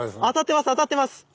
当たってます！